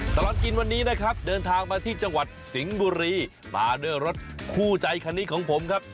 ตลอดกินวันนี้นะครับเดินทางมาที่จังหวัดสิงห์บุรีมาด้วยรถคู่ใจคันนี้ของผมครับ